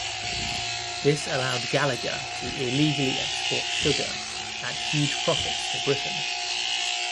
This allowed Gallagher to illegally export sugar at huge profits to Britain.